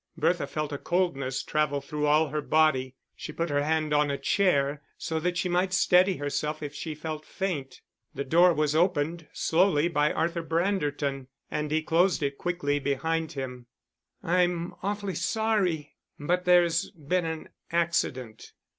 Bertha felt a coldness travel through all her body, she put her hand on a chair, so that she might steady herself if she felt faint. The door was opened slowly by Arthur Branderton, and he closed it quickly behind him. "I'm awfully sorry, but there's been an accident.